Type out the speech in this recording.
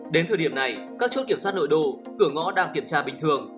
đến thời điểm này các chốt kiểm soát nội đô cửa ngõ đang kiểm tra bình thường